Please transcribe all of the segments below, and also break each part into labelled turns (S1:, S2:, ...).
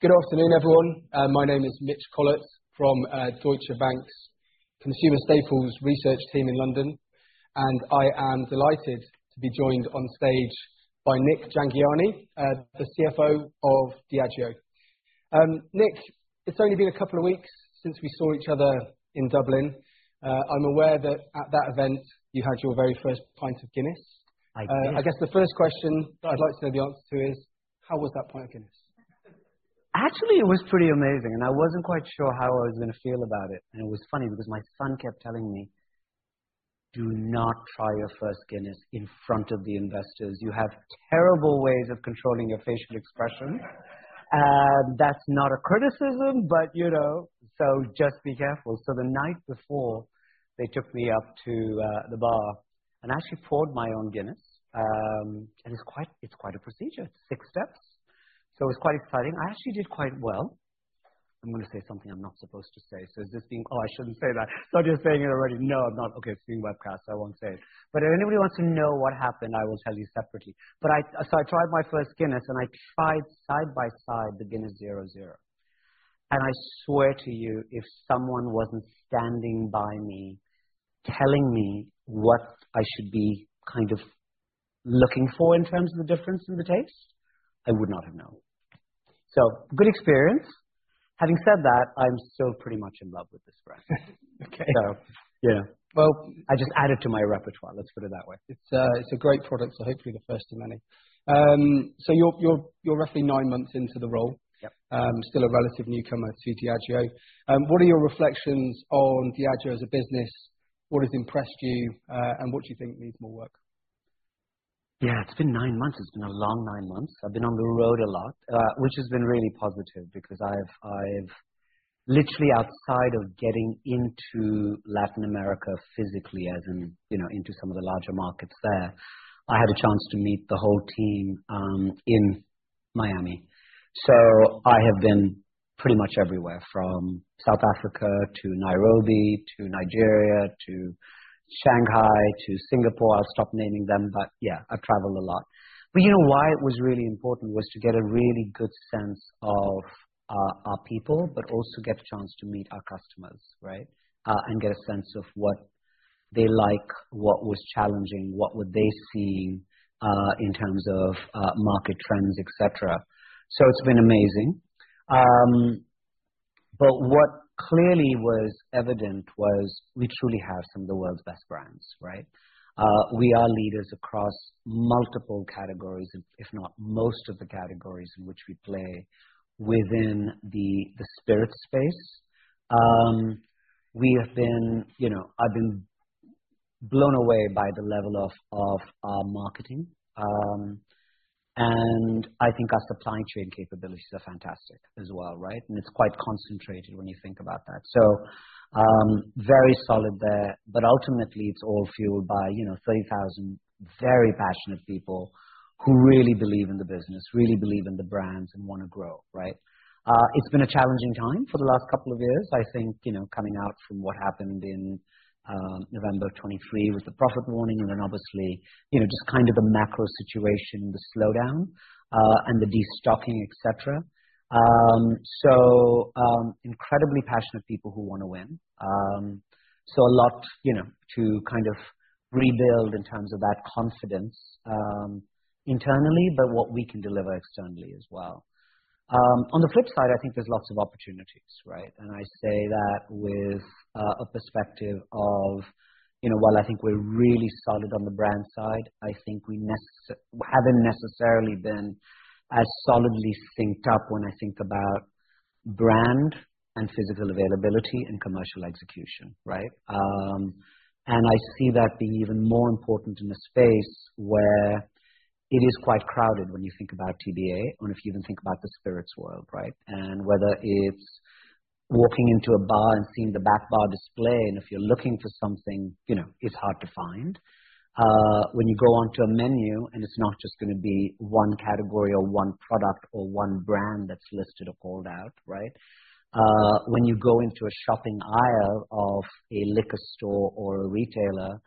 S1: Good afternoon, everyone. My name is Mitch Collett from Deutsche Bank's Consumer Staples Research Team in London, and I am delighted to be joined on stage by Nik Jhangiani, the CFO of Diageo. Nik, it's only been a couple of weeks since we saw each other in Dublin. I'm aware that at that event you had your very 1st pint of Guinness.
S2: I did.
S1: I guess the 1st question that I'd like to know the answer to is, how was that pint of Guinness?
S2: Actually, it was pretty amazing, and I was not quite sure how I was going to feel about it. It was funny because my son kept telling me, "Do not try your first Guinness in front of the investors. You have terrible ways of controlling your facial expressions." That is not a criticism, but you know, just be careful. The night before, they took me up to the bar and actually poured my own Guinness. It is quite a procedure, six steps. It was quite exciting. I actually did quite well. I am going to say something I am not supposed to say. Is this being—oh, I should not say that. I am just saying it already. No, I am not. OK, it is being webcast, so I will not say it. If anybody wants to know what happened, I will tell you separately. I tried my 1st Guinness, and I tried side by side the Guinness 00. I swear to you, if someone was not standing by me telling me what I should be kind of looking for in terms of the difference in the taste, I would not have known. Good experience. Having said that, I am still pretty much in love with this brand.
S1: OK.
S2: Yeah, I just add it to my repertoire, let's put it that way.
S1: It's a great product, so hopefully the first of many. You're roughly nine months into the role, still a relative newcomer to Diageo. What are your reflections on Diageo as a business? What has impressed you, and what do you think needs more work?
S2: Yeah, it's been nine months. It's been a long nine months. I've been on the road a lot, which has been really positive because I've literally, outside of getting into Latin America physically, as in into some of the larger markets there, I had a chance to meet the whole team in Miami. I have been pretty much everywhere, from South Africa to Nairobi to Nigeria to Shanghai to Singapore. I'll stop naming them, but yeah, I've traveled a lot. You know why it was really important was to get a really good sense of our people, but also get a chance to meet our customers, right, and get a sense of what they like, what was challenging, what were they seeing in terms of market trends, et cetera. It's been amazing. What clearly was evident was we truly have some of the world's best brands, right? We are leaders across multiple categories, if not most of the categories in which we play within the spirit space. I have been blown away by the level of our marketing. I think our supply chain capabilities are fantastic as well, right? It is quite concentrated when you think about that. Very solid there. Ultimately, it is all fueled by 30,000 very passionate people who really believe in the business, really believe in the brands, and want to grow, right? It has been a challenging time for the last couple of years, I think, coming out from what happened in November 2023 with the profit warning and then obviously just kind of the macro situation, the slowdown, and the destocking, et cetera. Incredibly passionate people who want to win. A lot to kind of rebuild in terms of that confidence internally, but what we can deliver externally as well. On the flip side, I think there's lots of opportunities, right? I say that with a perspective of, I think we're really solid on the brand side. I think we haven't necessarily been as solidly synced up when I think about brand and physical availability and commercial execution, right? I see that being even more important in a space where it is quite crowded when you think about TBA or if you even think about the spirits world, right? Whether it's walking into a bar and seeing the back bar display, and if you're looking for something, it's hard to find. When you go onto a menu, and it's not just going to be one category or one product or one brand that's listed or called out, right? When you go into a shopping aisle of a liquor store or a retailer,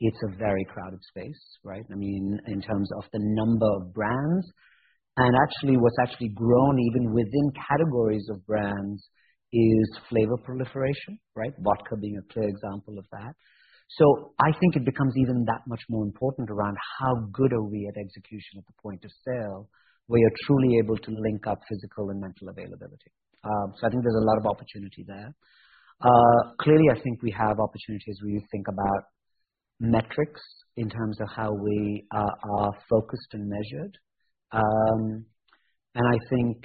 S2: it's a very crowded space, right? I mean, in terms of the number of brands. And actually, what's actually grown even within categories of brands is flavor proliferation, right? Vodka being a clear example of that. I think it becomes even that much more important around how good are we at execution at the point of sale where you're truly able to link up physical and mental availability. I think there's a lot of opportunity there. Clearly, I think we have opportunities when you think about metrics in terms of how we are focused and measured. I think,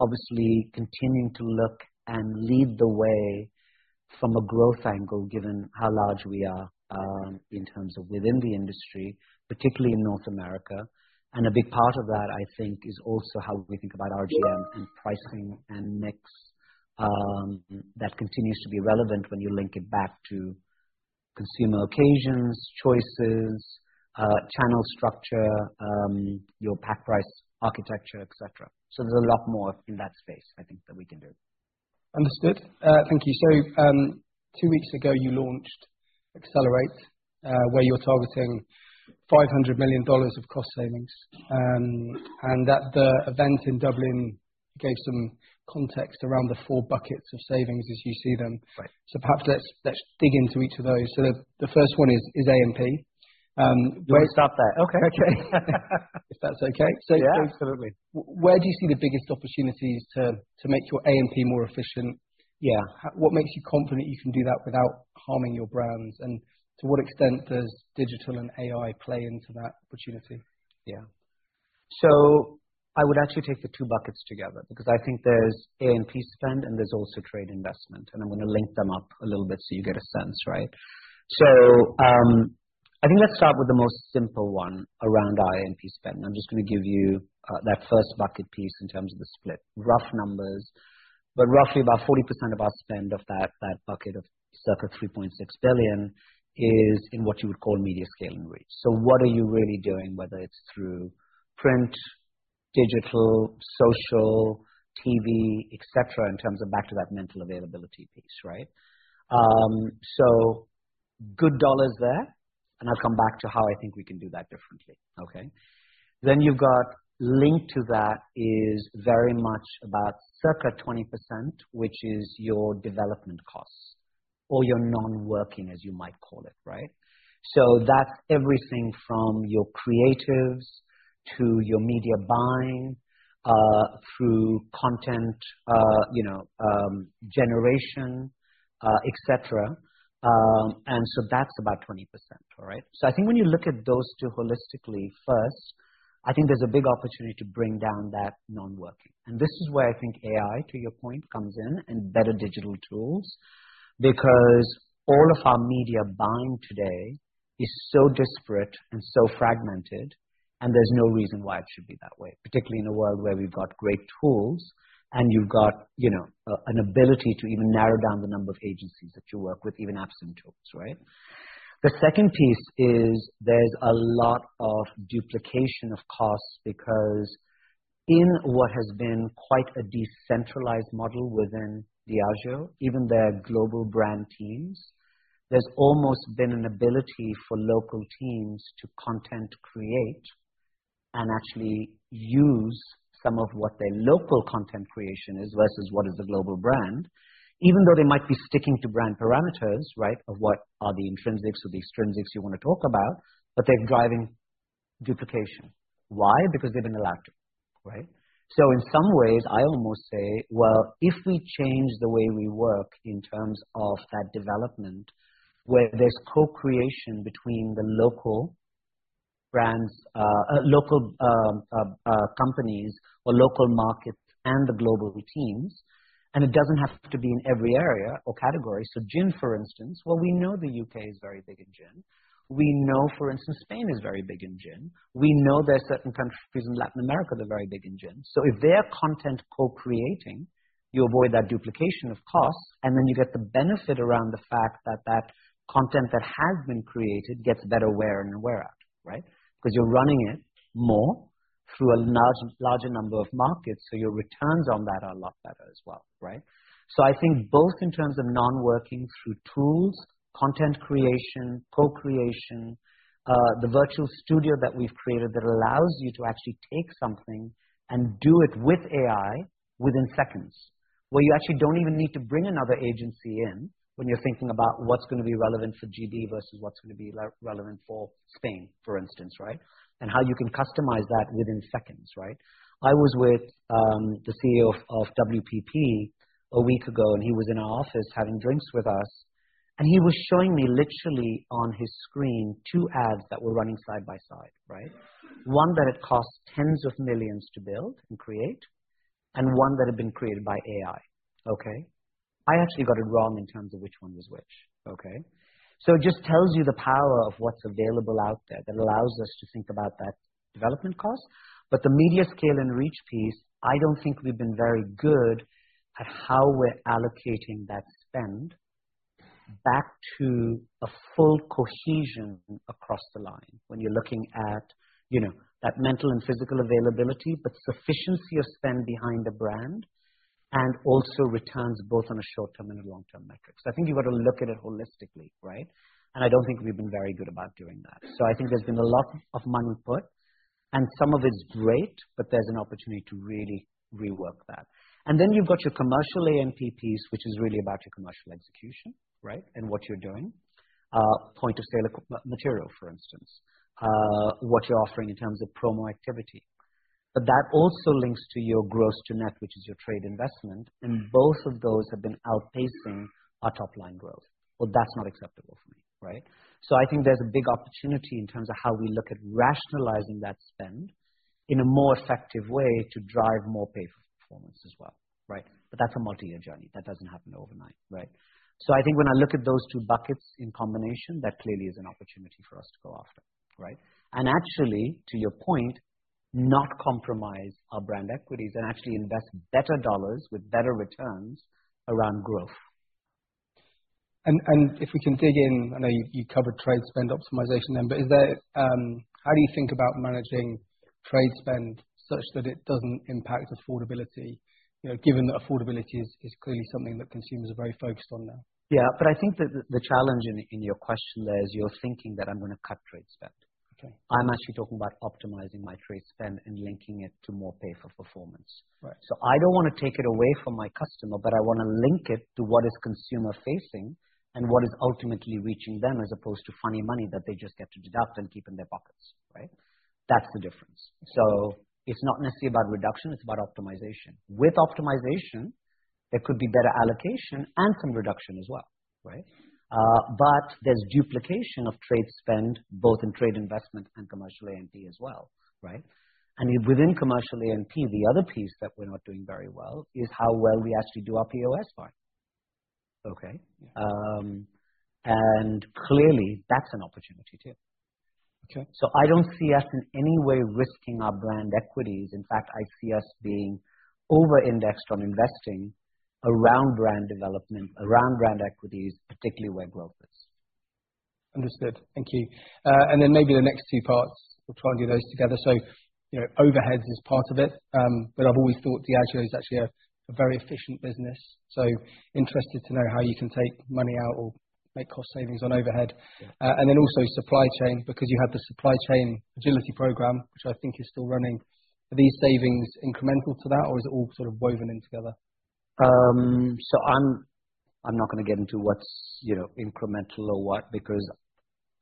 S2: obviously, continuing to look and lead the way from a growth angle, given how large we are in terms of within the industry, particularly in North America. A big part of that, I think, is also how we think about RGM and pricing and mix that continues to be relevant when you link it back to consumer occasions, choices, channel structure, your pack price architecture, et cetera. There is a lot more in that space, I think, that we can do.
S1: Understood. Thank you. Two weeks ago, you launched Accelerate, where you're targeting $500 million of cost savings. At the event in Dublin, you gave some context around the four buckets of savings as you see them. Perhaps let's dig into each of those. The 1st one is A&P.
S2: We'll start there. OK.
S1: OK. If that's OK.
S2: Yeah.
S1: Absolutely. Where do you see the biggest opportunities to make your A&P more efficient? Yeah. What makes you confident you can do that without harming your brands? To what extent does digital and AI play into that opportunity?
S2: Yeah. I would actually take the two buckets together because I think there's A&P spend, and there's also trade investment. I'm going to link them up a little bit so you get a sense, right? I think let's start with the most simple one around our A&P spend. I'm just going to give you that 1st bucket piece in terms of the split, rough numbers. Roughly about 40% of our spend of that bucket of circa $3.6 billion is in what you would call media scale and reach. What are you really doing, whether it's through print, digital, social, TV, et cetera, in terms of back to that mental availability piece, right? Good dollars there. I'll come back to how I think we can do that differently. OK? You have linked to that is very much about circa 20%, which is your development costs or your non-working, as you might call it, right? That is everything from your creatives to your media buying through content generation, et cetera. That is about 20%, right? I think when you look at those two holistically 1st, I think there is a big opportunity to bring down that non-working. This is where I think AI, to your point, comes in and better digital tools because all of our media buying today is so disparate and so fragmented, and there is no reason why it should be that way, particularly in a world where we have great tools and you have an ability to even narrow down the number of agencies that you work with, even absent tools, right? The 2nd piece is there's a lot of duplication of costs because in what has been quite a decentralized model within Diageo, even their global brand teams, there's almost been an ability for local teams to content create and actually use some of what their local content creation is versus what is the global brand, even though they might be sticking to brand parameters, right, of what are the intrinsics or the extrinsics you want to talk about, but they're driving duplication. Why? Because they've been allowed to, right? In some ways, I almost say, if we change the way we work in terms of that development where there's co-creation between the local brands, local companies, or local markets and the global teams, and it doesn't have to be in every area or category. Gin, for instance, we know the U.K. is very big in gin. We know, for instance, Spain is very big in gin. We know there are certain countries in Latin America that are very big in gin. If they're content co-creating, you avoid that duplication of costs, and then you get the benefit around the fact that that content that has been created gets better wear and wear out, right? Because you're running it more through a larger number of markets, your returns on that are a lot better as well, right? I think both in terms of non-working through tools, content creation, co-creation, the virtual studio that we've created that allows you to actually take something and do it with AI within seconds, where you actually do not even need to bring another agency in when you're thinking about what's going to be relevant for GB versus what's going to be relevant for Spain, for instance, right? How you can customize that within seconds, right? I was with the CEO of WPP a week ago, and he was in our office having drinks with us. He was showing me literally on his screen two ads that were running side by side, right? One that had cost tens of millions to build and create and one that had been created by AI. OK? I actually got it wrong in terms of which one was which. OK? It just tells you the power of what is available out there that allows us to think about that development cost. The media scale and reach piece, I don't think we've been very good at how we're allocating that spend back to a full cohesion across the line when you're looking at that mental and physical availability, but sufficiency of spend behind a brand and also returns both on a short-term and a long-term metric. I think you've got to look at it holistically, right? I don't think we've been very good about doing that. I think there's been a lot of money put. Some of it's great, but there's an opportunity to really rework that. Then you've got your commercial A&P piece, which is really about your commercial execution, right, and what you're doing, point of sale material, for instance, what you're offering in terms of promo activity. That also links to your gross to net, which is your trade investment. Both of those have been outpacing our top-line growth. That is not acceptable for me, right? I think there is a big opportunity in terms of how we look at rationalizing that spend in a more effective way to drive more pay-for-performance as well, right? That is a multi-year journey. That does not happen overnight, right? I think when I look at those two buckets in combination, that clearly is an opportunity for us to go after, right? Actually, to your point, not compromise our brand equities and actually invest better dollars with better returns around growth.
S1: If we can dig in, I know you covered trade spend optimization then, but how do you think about managing trade spend such that it does not impact affordability, given that affordability is clearly something that consumers are very focused on now?
S2: Yeah. I think that the challenge in your question there is you're thinking that I'm going to cut trade spend. I'm actually talking about optimizing my trade spend and linking it to more pay-for-performance. I do not want to take it away from my customer, but I want to link it to what is consumer-facing and what is ultimately reaching them as opposed to funny money that they just get to deduct and keep in their pockets, right? That is the difference. It is not necessarily about reduction. It is about optimization. With optimization, there could be better allocation and some reduction as well, right? There is duplication of trade spend both in trade investment and commercial A&P as well, right? Within commercial A&P, the other piece that we are not doing very well is how well we actually do our POS part. OK? Clearly, that is an opportunity too. I don't see us in any way risking our brand equities. In fact, I see us being over-indexed on investing around brand development, around brand equities, particularly where growth is.
S1: Understood. Thank you. Maybe the next two parts, we'll try and do those together. Overhead is part of it. I've always thought Diageo is actually a very efficient business. Interested to know how you can take money out or make cost savings on overhead. Also supply chain, because you have the supply chain agility program, which I think is still running. Are these savings incremental to that, or is it all sort of woven in together?
S2: I'm not going to get into what's incremental or what because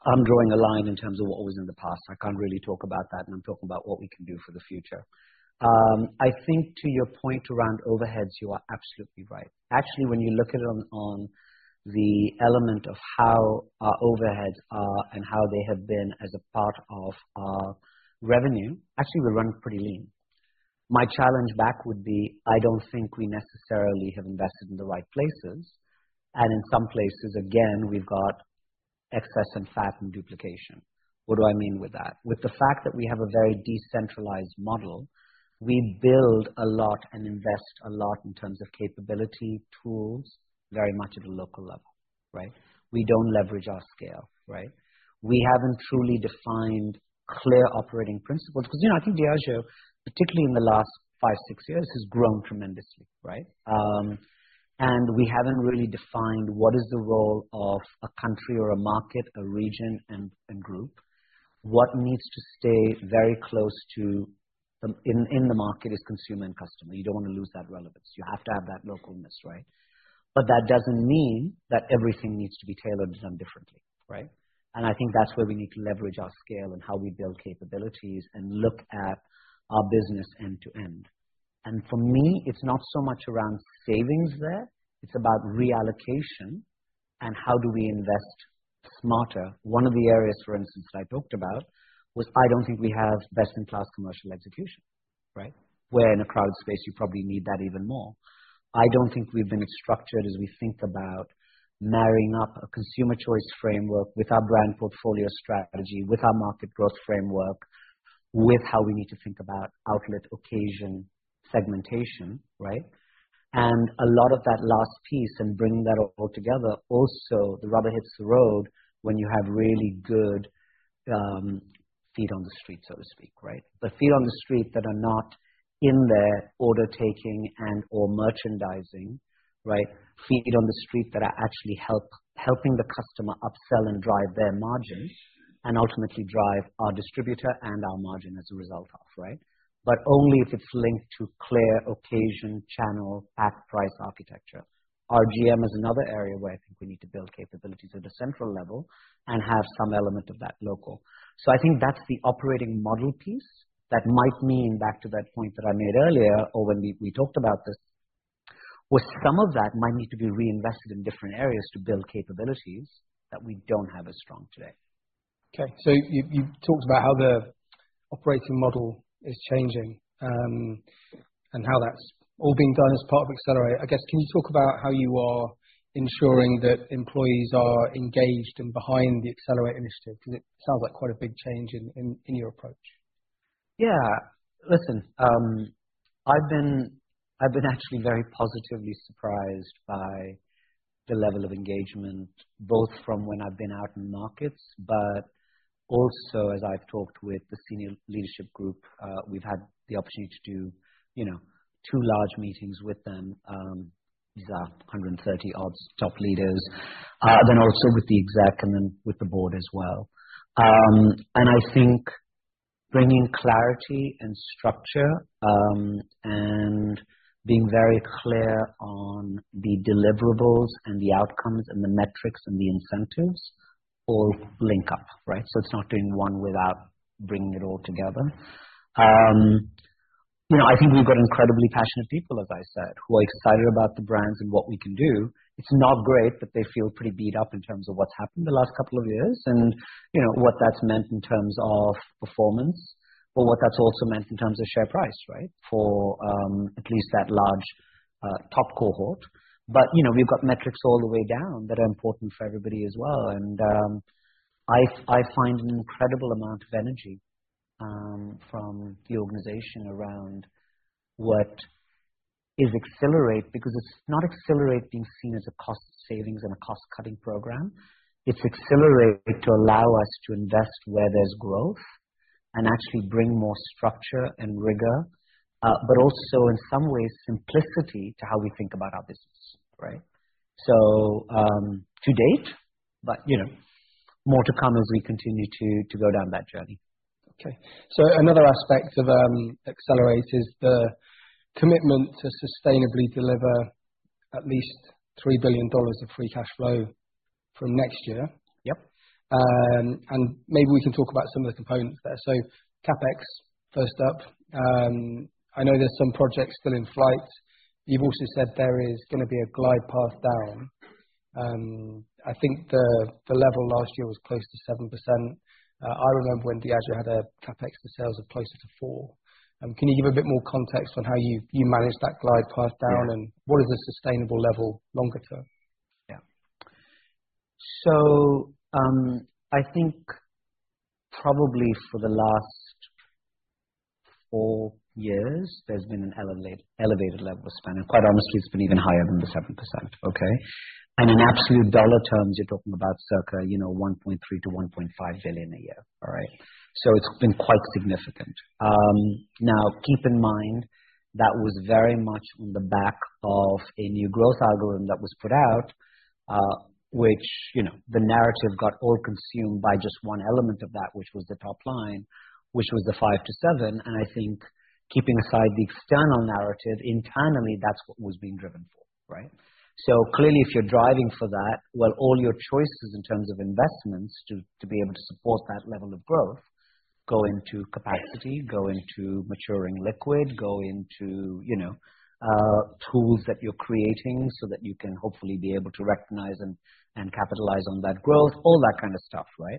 S2: I'm drawing a line in terms of what was in the past. I can't really talk about that. I'm talking about what we can do for the future. I think to your point around overheads, you are absolutely right. Actually, when you look at it on the element of how our overheads are and how they have been as a part of our revenue, actually, we're running pretty lean. My challenge back would be I don't think we necessarily have invested in the right places. In some places, again, we've got excess and fat and duplication. What do I mean with that? With the fact that we have a very decentralized model, we build a lot and invest a lot in terms of capability, tools, very much at a local level, right? We do not leverage our scale, right? We have not truly defined clear operating principles. Because I think Diageo, particularly in the last five, six years, has grown tremendously, right? We have not really defined what is the role of a country or a market, a region, and group. What needs to stay very close to in the market is consumer and customer. You do not want to lose that relevance. You have to have that localness, right? That does not mean that everything needs to be tailored and done differently, right? I think that is where we need to leverage our scale and how we build capabilities and look at our business end to end. For me, it is not so much around savings there. It is about reallocation and how do we invest smarter. One of the areas, for instance, that I talked about was I don't think we have best-in-class commercial execution, right? Where in a crowded space, you probably need that even more. I don't think we've been as structured as we think about marrying up a consumer choice framework with our brand portfolio strategy, with our market growth framework, with how we need to think about outlet occasion segmentation, right? A lot of that last piece and bringing that all together, also the rubber hits the road when you have really good feet on the street, so to speak, right? The feet on the street that are not in there order-taking and/or merchandising, right? Feet on the street that are actually helping the customer upsell and drive their margins and ultimately drive our distributor and our margin as a result of, right? Only if it is linked to clear occasion channel pack price architecture. RGM is another area where I think we need to build capabilities at a central level and have some element of that local. I think that is the operating model piece that might mean, back to that point that I made earlier or when we talked about this, where some of that might need to be reinvested in different areas to build capabilities that we do not have as strong today.
S1: OK. So you've talked about how the operating model is changing and how that's all being done as part of Accelerate. I guess can you talk about how you are ensuring that employees are engaged and behind the Accelerate initiative? Because it sounds like quite a big change in your approach.
S2: Yeah. Listen, I've been actually very positively surprised by the level of engagement, both from when I've been out in markets, but also as I've talked with the senior leadership group. We've had the opportunity to do two large meetings with them. These are 130 odd top leaders, then also with the exec and then with the board as well. I think bringing clarity and structure and being very clear on the deliverables and the outcomes and the metrics and the incentives all link up, right? It's not doing one without bringing it all together. You know, I think we've got incredibly passionate people, as I said, who are excited about the brands and what we can do. It's not great, but they feel pretty beat up in terms of what's happened the last couple of years and what that's meant in terms of performance, but what that's also meant in terms of share price, right, for at least that large top cohort. We've got metrics all the way down that are important for everybody as well. I find an incredible amount of energy from the organization around what is Accelerate, because it's not Accelerate being seen as a cost savings and a cost-cutting program. It's Accelerate to allow us to invest where there's growth and actually bring more structure and rigor, but also in some ways simplicity to how we think about our business, right? To date, but more to come as we continue to go down that journey.
S1: OK. Another aspect of Accelerate is the commitment to sustainably deliver at least $3 billion of free cash flow from next year.
S2: Yep.
S1: Maybe we can talk about some of the components there. CapEX, 1st up. I know there are some projects still in flight. You have also said there is going to be a glide path down. I think the level last year was close to 7%. I remember when Diageo had a CapEX, the sales were closer to 4%. Can you give a bit more context on how you managed that glide path down and what is a sustainable level longer term?
S2: Yeah. I think probably for the last four years, there's been an elevated level of spend. Quite honestly, it's been even higher than the 7%, OK? In absolute dollar terms, you're talking about circa $1.3 billion-$1.5 billion a year, all right? It's been quite significant. Now, keep in mind that was very much on the back of a new growth algorithm that was put out, which the narrative got all consumed by just one element of that, which was the top line, which was the five to seven. I think keeping aside the external narrative, internally, that's what was being driven for, right? Clearly, if you're driving for that, all your choices in terms of investments to be able to support that level of growth go into capacity, go into maturing liquid, go into tools that you're creating so that you can hopefully be able to recognize and capitalize on that growth, all that kind of stuff, right?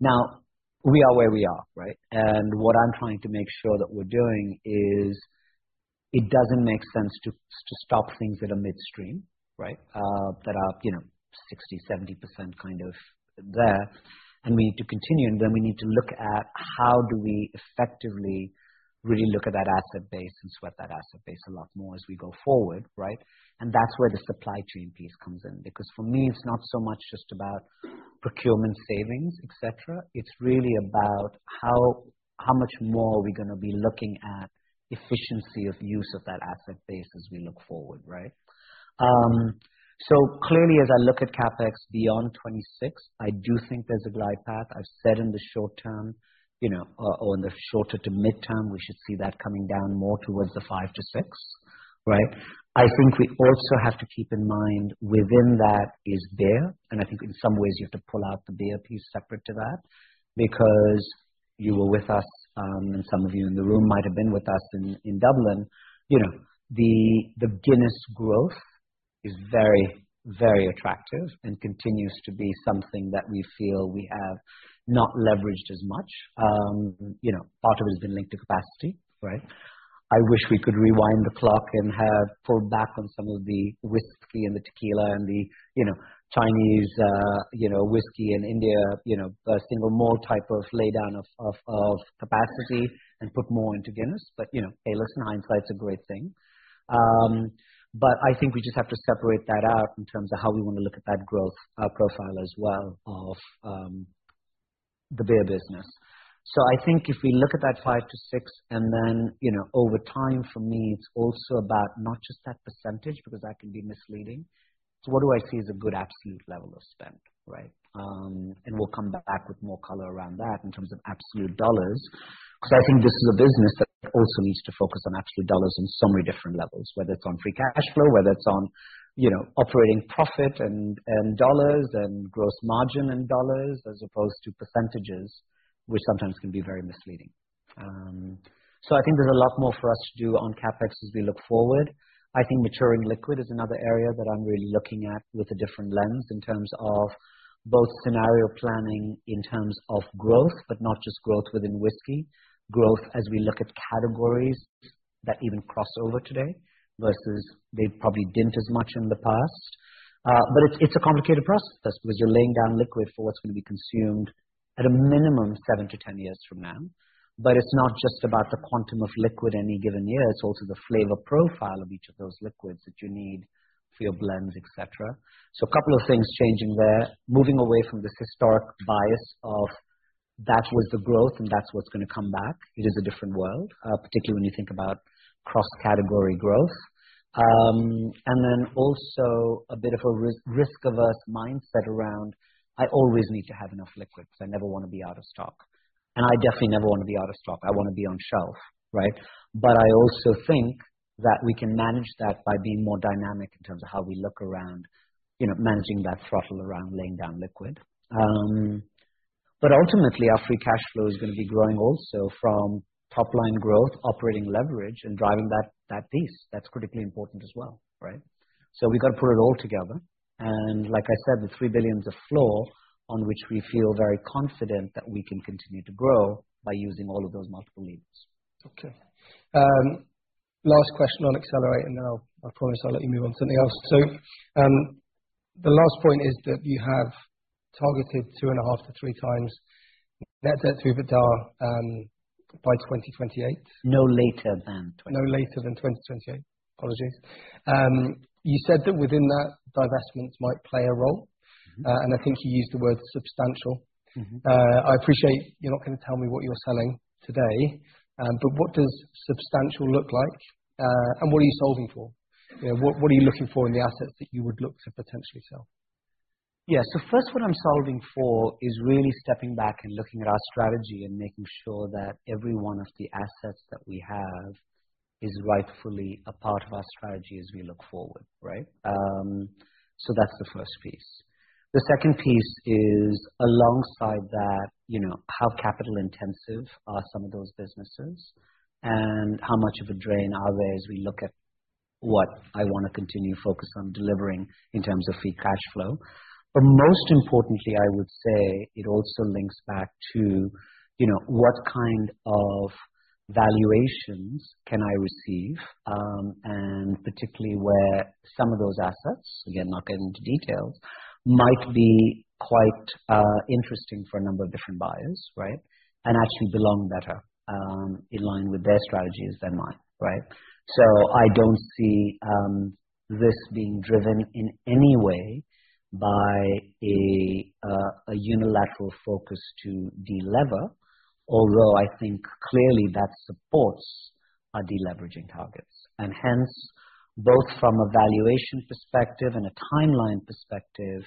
S2: Now, we are where we are, right? What I'm trying to make sure that we're doing is it doesn't make sense to stop things that are midstream, that are 60%, 70% kind of there. We need to continue. We need to look at how do we effectively really look at that asset base and sweat that asset base a lot more as we go forward, right? That's where the supply chain piece comes in. For me, it's not so much just about procurement savings, et cetera. It's really about how much more are we going to be looking at efficiency of use of that asset base as we look forward, right? Clearly, as I look at CapEX beyond 2026, I do think there's a glide path. I've said in the short term or in the shorter to midterm, we should see that coming down more towards the five to six, right? I think we also have to keep in mind within that is beer. I think in some ways, you have to pull out the beer piece separate to that. You were with us, and some of you in the room might have been with us in Dublin. The Guinness growth is very, very attractive and continues to be something that we feel we have not leveraged as much. Part of it has been linked to capacity, right? I wish we could rewind the clock and have pulled back on some of the whiskey and the tequila and the Chinese whiskey and India single malt type of lay down of capacity and put more into Guinness. But hey, listen, hindsight's a great thing. I think we just have to separate that out in terms of how we want to look at that growth profile as well of the beer business. I think if we look at that five to six, and then over time, for me, it's also about not just that percentage, because that can be misleading. What do I see as a good absolute level of spend, right? We'll come back with more color around that in terms of absolute dollars. Because I think this is a business that also needs to focus on absolute dollars on so many different levels, whether it's on free cash flow, whether it's on operating profit in dollars and gross margin in dollars, as opposed to percentages, which sometimes can be very misleading. I think there's a lot more for us to do on CapEX as we look forward. I think maturing liquid is another area that I'm really looking at with a different lens in terms of both scenario planning in terms of growth, but not just growth within whiskey, growth as we look at categories that even cross over today versus they probably didn't as much in the past. It's a complicated process because you're laying down liquid for what's going to be consumed at a minimum seven to ten years from now. It is not just about the quantum of liquid any given year. It is also the flavor profile of each of those liquids that you need for your blends, et cetera. A couple of things are changing there, moving away from this historic bias of that was the growth and that is what is going to come back. It is a different world, particularly when you think about cross-category growth. There is also a bit of a risk-averse mindset around I always need to have enough liquid. I never want to be out of stock. I definitely never want to be out of stock. I want to be on shelf, right? I also think that we can manage that by being more dynamic in terms of how we look around managing that throttle around laying down liquid. Ultimately, our free cash flow is going to be growing also from top line growth, operating leverage, and driving that piece. That is critically important as well, right? We have to put it all together. Like I said, the $3 billion floor on which we feel very confident that we can continue to grow by using all of those multiple levers.
S1: OK. Last question on Accelerate, and then I promise I'll let you move on to something else. The last point is that you have targeted 2.5-3 times net debt through EBITDA by 2028.
S2: No later than.
S1: No later than 2028. Apologies. You said that within that, divestments might play a role. I think you used the word substantial. I appreciate you're not going to tell me what you're selling today. What does substantial look like? What are you solving for? What are you looking for in the assets that you would look to potentially sell?
S2: Yeah. First, what I'm solving for is really stepping back and looking at our strategy and making sure that every one of the assets that we have is rightfully a part of our strategy as we look forward, right? That's the 1st piece. The second piece is alongside that, how capital intensive are some of those businesses and how much of a drain are they as we look at what I want to continue focus on delivering in terms of free cash flow. Most importantly, I would say it also links back to what kind of valuations can I receive? Particularly where some of those assets, again, not getting into details, might be quite interesting for a number of different buyers, right? Actually belong better in line with their strategies than mine, right? I don't see this being driven in any way by a unilateral focus to delever, although I think clearly that supports our deleveraging targets. Hence, both from a valuation perspective and a timeline perspective,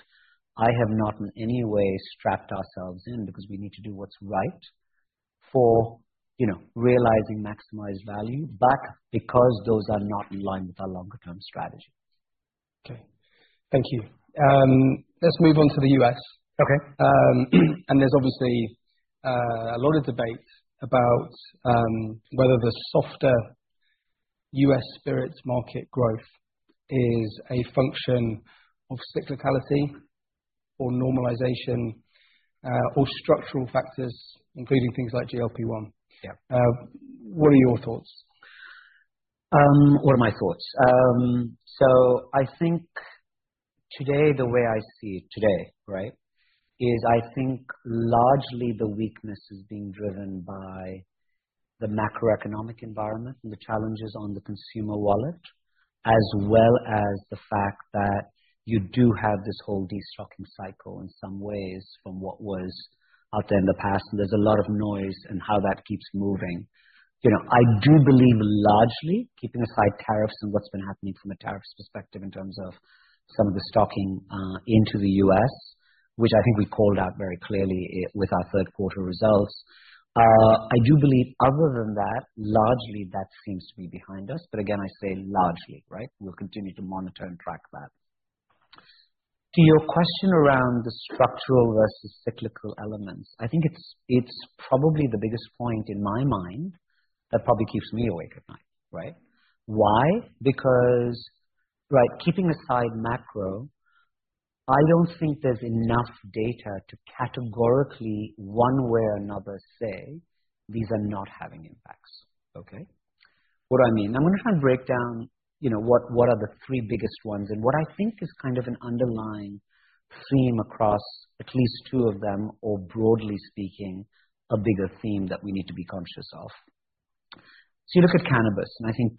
S2: I have not in any way strapped ourselves in because we need to do what's right for realizing maximized value, but because those are not in line with our longer-term strategy.
S1: OK. Thank you. Let's move on to the U.S.
S2: OK.
S1: There is obviously a lot of debate about whether the softer U.S. spirits market growth is a function of cyclicality or normalization or structural factors, including things like GLP-1.
S2: Yeah.
S1: What are your thoughts?
S2: What are my thoughts? I think today, the way I see it today, right, is I think largely the weakness is being driven by the macroeconomic environment and the challenges on the consumer wallet, as well as the fact that you do have this whole destocking cycle in some ways from what was out there in the past. There is a lot of noise and how that keeps moving. I do believe largely, keeping aside tariffs and what has been happening from a tariffs perspective in terms of some of the stocking into the U.S., which I think we called out very clearly with our third quarter results. I do believe other than that, largely that seems to be behind us. Again, I say largely, right? We will continue to monitor and track that. To your question around the structural versus cyclical elements, I think it's probably the biggest point in my mind that probably keeps me awake at night, right? Why? Because, right, keeping aside macro, I don't think there's enough data to categorically one way or another say these are not having impacts, OK? What do I mean? I'm going to try and break down what are the three biggest ones and what I think is kind of an underlying theme across at least two of them, or broadly speaking, a bigger theme that we need to be conscious of. You look at cannabis. I think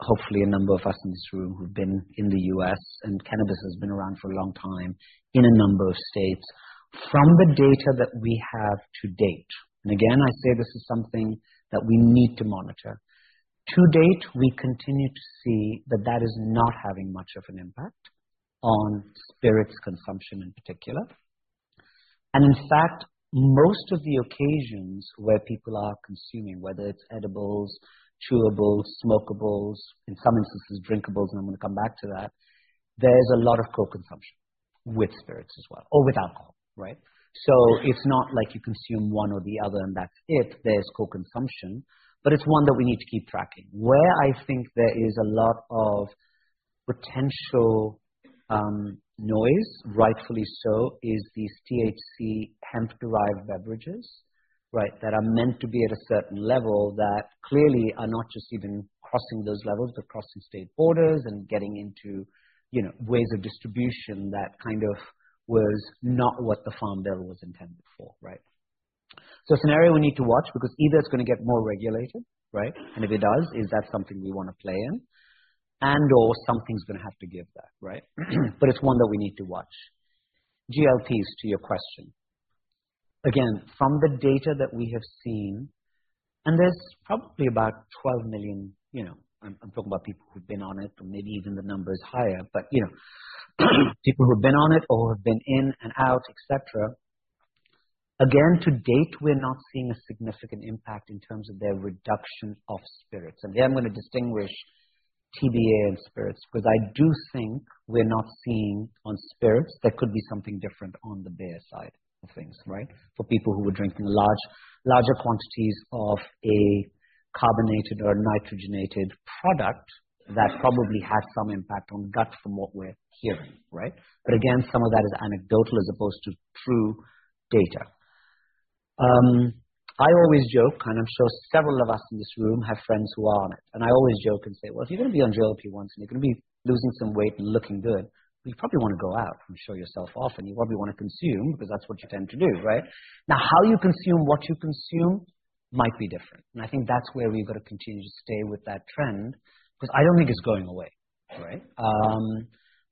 S2: hopefully a number of us in this room who've been in the U.S., and cannabis has been around for a long time in a number of states. From the data that we have to date, and again, I say this is something that we need to monitor, to date, we continue to see that that is not having much of an impact on spirits consumption in particular. In fact, most of the occasions where people are consuming, whether it's edibles, chewables, smokables, in some instances drinkables, and I'm going to come back to that, there's a lot of co-consumption with spirits as well, or with alcohol, right? It's not like you consume one or the other and that's it. There's co-consumption. It is one that we need to keep tracking. Where I think there is a lot of potential noise, rightfully so, is these THC hemp-derived beverages, right, that are meant to be at a certain level that clearly are not just even crossing those levels, but crossing state borders and getting into ways of distribution that kind of was not what the farm bill was intended for, right? It is an area we need to watch because either it is going to get more regulated, right? If it does, is that something we want to play in? And/or something is going to have to give that, right? It is one that we need to watch. GLP-1s, to your question, again, from the data that we have seen, and there's probably about 12 million, I'm talking about people who've been on it, or maybe even the number is higher, but people who've been on it or have been in and out, et cetera, again, to date, we're not seeing a significant impact in terms of their reduction of spirits. There I'm going to distinguish TBA and spirits because I do think we're not seeing on spirits there could be something different on the beer side of things, right? For people who were drinking larger quantities of a carbonated or nitrogenated product that probably had some impact on gut from what we're hearing, right? Again, some of that is anecdotal as opposed to true data. I always joke, and I'm sure several of us in this room have friends who are on it. I always joke and say, if you're going to be on GLP-1s and you're going to be losing some weight and looking good, you probably want to go out and show yourself off. You probably want to consume because that's what you tend to do, right? Now, how you consume, what you consume might be different. I think that's where we've got to continue to stay with that trend because I don't think it's going away, right?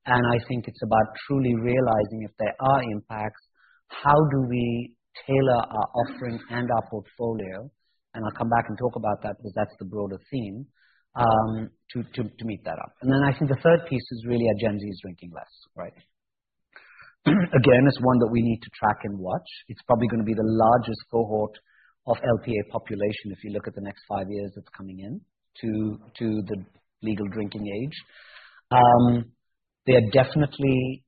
S2: I think it's about truly realizing if there are impacts, how do we tailor our offering and our portfolio? I'll come back and talk about that because that's the broader theme to meet that up. I think the 3rd piece is really our Gen Z is drinking less, right? Again, it's one that we need to track and watch. It's probably going to be the largest cohort of LPA population if you look at the next five years that's coming into the legal drinking age. They're definitely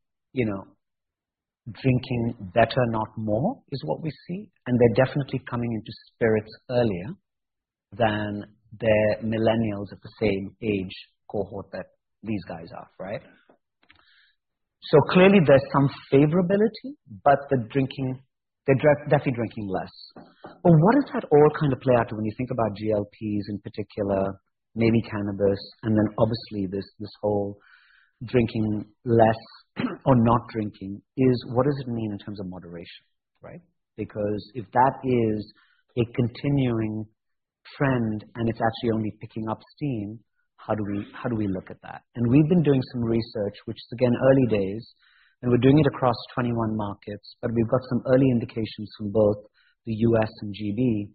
S2: drinking better, not more, is what we see. They're definitely coming into spirits earlier than the millennials of the same age cohort that these guys are, right? Clearly, there's some favorability, but they're definitely drinking less. What does that all kind of play out to when you think about GLPs in particular, maybe cannabis, and then obviously this whole drinking less or not drinking is what does it mean in terms of moderation, right? Because if that is a continuing trend and it's actually only picking up steam, how do we look at that? We've been doing some research, which is again, early days. We're doing it across 21 markets. We have got some early indications from both the U.S. and GB.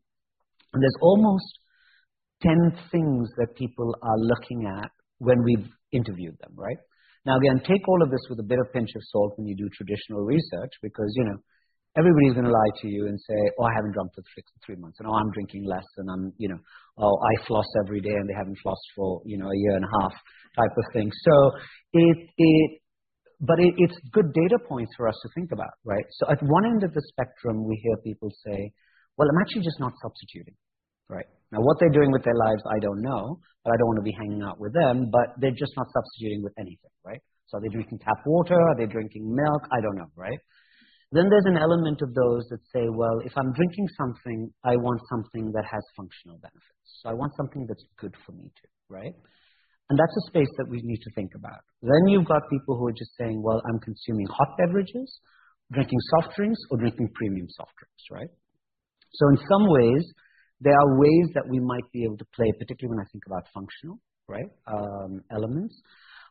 S2: There are almost 10 things that people are looking at when we have interviewed them, right? Now, again, take all of this with a bit of a pinch of salt when you do traditional research because everybody is going to lie to you and say, oh, I have not drunk for three months. Oh, I am drinking less. Oh, I floss every day. They have not flossed for a year and a half type of thing. It is good data points for us to think about, right? At one end of the spectrum, we hear people say, I am actually just not substituting, right? What they are doing with their lives, I do not know. I do not want to be hanging out with them. They are just not substituting with anything, right? Are they drinking tap water? Are they drinking milk? I do not know, right? There is an element of those that say, well, if I am drinking something, I want something that has functional benefits. I want something that is good for me too, right? That is a space that we need to think about. You have people who are just saying, well, I am consuming hot beverages, drinking soft drinks, or drinking premium soft drinks, right? In some ways, there are ways that we might be able to play, particularly when I think about functional elements.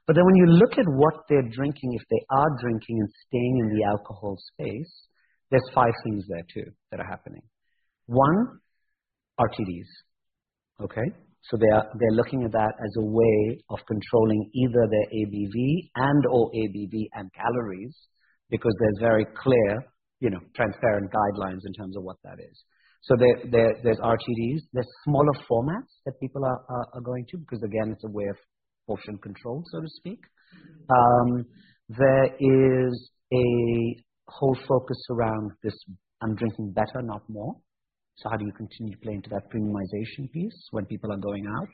S2: When you look at what they are drinking, if they are drinking and staying in the alcohol space, there are five things there too that are happening. One, RTDs, OK? They are looking at that as a way of controlling either their ABV and/or ABV and calories because there are very clear, transparent guidelines in terms of what that is. There is RTDs. There are smaller formats that people are going to because, again, it is a way of portion control, so to speak. There is a whole focus around this, I am drinking better, not more. How do you continue to play into that premiumization piece when people are going out?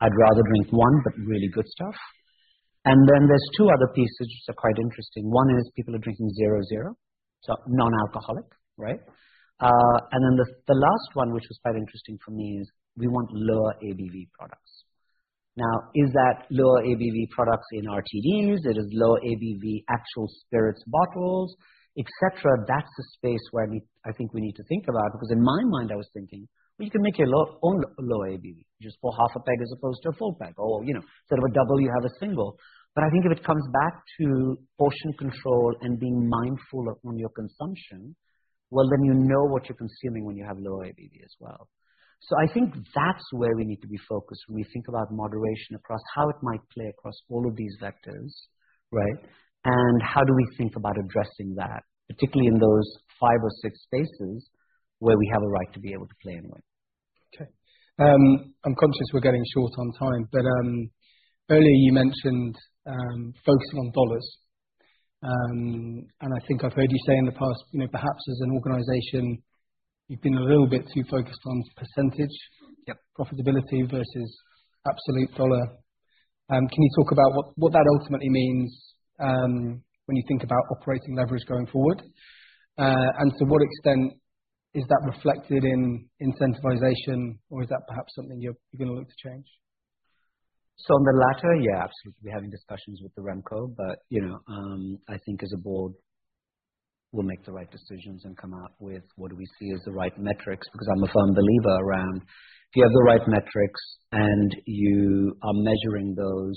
S2: I would rather drink one, but really good stuff. Then there are two other pieces which are quite interesting. One is people are drinking zero-zero, so non-alcoholic, right? The last one, which was quite interesting for me, is we want lower ABV products. Now, is that lower ABV products in RTDs? It is lower ABV actual spirits bottles, et cetera. That is a space where I think we need to think about because in my mind, I was thinking, well, you can make your own lower ABV. Just pour half a peg as opposed to a full peg. Instead of a double, you have a single. I think if it comes back to portion control and being mindful of your consumption, you know what you're consuming when you have lower ABV as well. I think that's where we need to be focused when we think about moderation across how it might play across all of these vectors, right? How do we think about addressing that, particularly in those five or six spaces where we have a right to be able to play and win?
S1: OK. I'm conscious we're getting short on time. Earlier, you mentioned focusing on dollars. I think I've heard you say in the past, perhaps as an organization, you've been a little bit too focused on percentage, profitability versus absolute dollar. Can you talk about what that ultimately means when you think about operating leverage going forward? To what extent is that reflected in incentivization? Or is that perhaps something you're going to look to change?
S2: On the latter, yeah, absolutely. We're having discussions with the Remco. I think as a board, we'll make the right decisions and come out with what do we see as the right metrics because I'm a firm believer around if you have the right metrics and you are measuring those,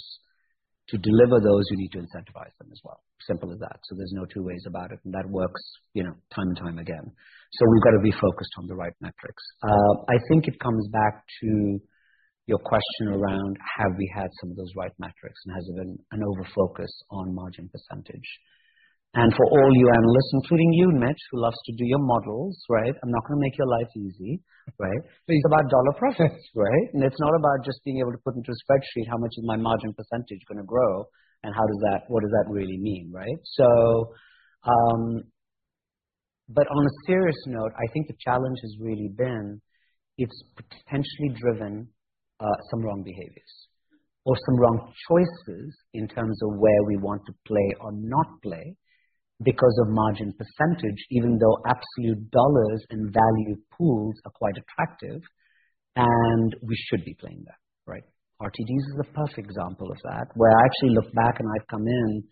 S2: to deliver those, you need to incentivize them as well. Simple as that. There's no two ways about it. That works time and time again. We've got to be focused on the right metrics. I think it comes back to your question around have we had some of those right metrics? Has there been an over-focus on margin percentage? For all you analysts, including you, Mitch, who loves to do your models, right? I'm not going to make your life easy, right? It's about dollar profits, right? It is not about just being able to put into a spreadsheet how much is my margin percentage going to grow and what does that really mean, right? On a serious note, I think the challenge has really been it has potentially driven some wrong behaviors or some wrong choices in terms of where we want to play or not play because of margin percentage, even though absolute dollars and value pools are quite attractive. We should be playing that, right? RTDs is a perfect example of that, where I actually look back and I have come in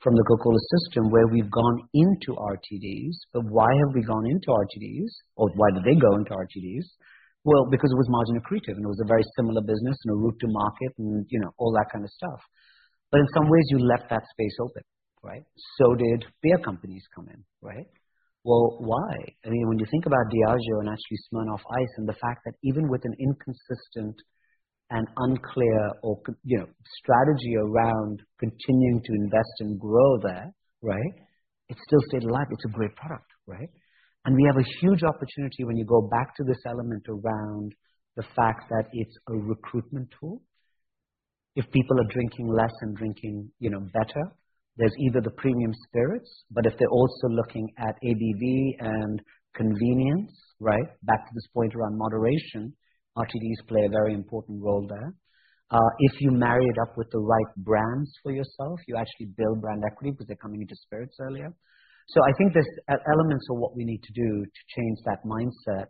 S2: from the Coca-Cola system where we have gone into RTDs. Why have we gone into RTDs? Or why did they go into RTDs? Because it was margin accretive. It was a very similar business and a route to market and all that kind of stuff. In some ways, you left that space open, right? Did beer companies come in, right? Why? I mean, when you think about Diageo and actually Smirnoff Ice and the fact that even with an inconsistent and unclear strategy around continuing to invest and grow there, right, it still stayed alive. It's a great product, right? We have a huge opportunity when you go back to this element around the fact that it's a recruitment tool. If people are drinking less and drinking better, there's either the premium spirits. If they're also looking at ABV and convenience, right, back to this point around moderation, RTDs play a very important role there. If you marry it up with the right brands for yourself, you actually build brand equity because they're coming into spirits earlier. I think there are elements of what we need to do to change that mindset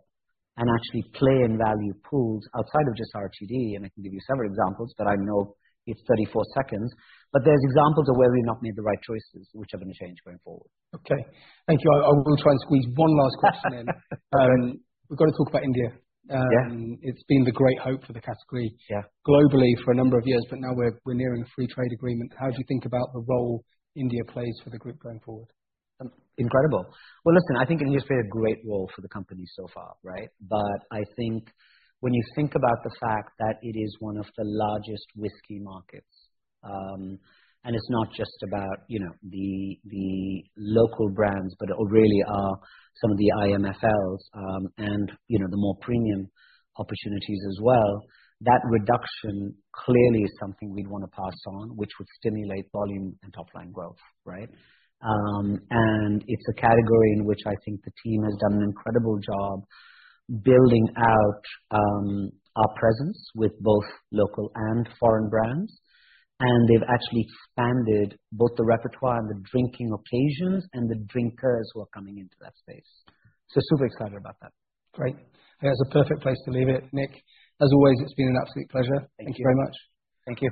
S2: and actually play in value pools outside of just RTDs. I can give you several examples, but I know it is 34 seconds. There are examples of where we have not made the right choices, which are going to change going forward.
S1: OK. Thank you. I will try and squeeze one last question in. We've got to talk about India. It's been the great hope for the category globally for a number of years. Now we're nearing a free trade agreement. How do you think about the role India plays for the group going forward?
S2: Incredible. Listen, I think India's played a great role for the company so far, right? I think when you think about the fact that it is one of the largest whiskey markets, and it's not just about the local brands, but really are some of the IMFLs and the more premium opportunities as well, that reduction clearly is something we'd want to pass on, which would stimulate volume and top-line growth, right? It's a category in which I think the team has done an incredible job building out our presence with both local and foreign brands. They've actually expanded both the repertoire and the drinking occasions and the drinkers who are coming into that space. Super excited about that.
S1: Great. That's a perfect place to leave it, Nick. As always, it's been an absolute pleasure. Thank you very much.
S2: Thank you.